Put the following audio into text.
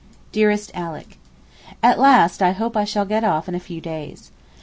DEAREST ALICK, At last I hope I shall get off in a few days.